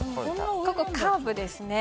ここ、カーブですね。